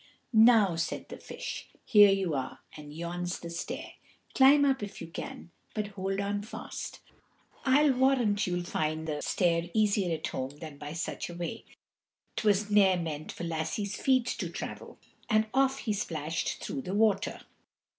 "Now," said the Fish, "here you are, and yon's the stair; climb up, if you can, but hold on fast. I'll warrant you find the stair easier at home than by such a way; 't was ne'er meant for lassies' feet to travel;" and off he splashed through the water.